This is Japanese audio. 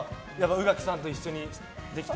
宇垣さんと一緒にできて。